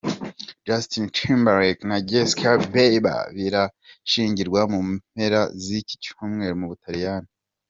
Justin Timberlake na Jessica Biel birashyingirwa mu mpera z’iki cyumweru mu Butaliyani.